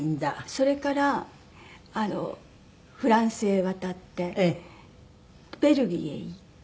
それからフランスへ渡ってベルギーへ行って。